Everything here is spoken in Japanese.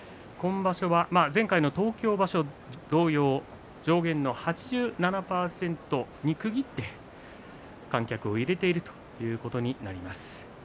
前回の東京場所同様上限の８７％に区切って観客を入れているということになります。